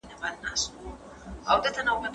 که هغوی ژر رسېدلي وای، ناروغ به ژغورل سوی وای.